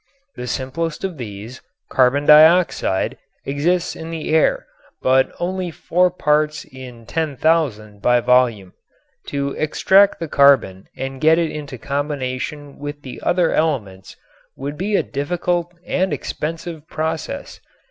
The simplest of these, carbon dioxide, exists in the air but only four parts in ten thousand by volume. To extract the carbon and get it into combination with the other elements would be a difficult and expensive process.